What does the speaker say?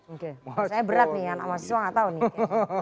sebenarnya berat nih anak mahasiswa gak tau nih